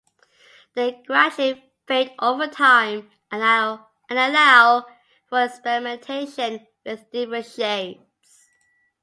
They gradually fade over time and allow for experimentation with different shades.